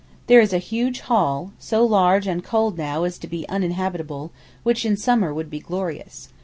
There is a huge hall, so large and cold now as to be uninhabitable, which in summer would be glorious.